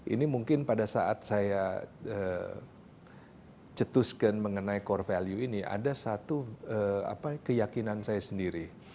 ini mungkin pada saat saya cetuskan mengenai core value ini ada satu keyakinan saya sendiri